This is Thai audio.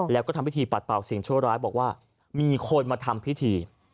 แล้วก็ทำพิธีปัดเป่าสิ่งชั่วร้ายบอกว่ามีคนมาทำพิธี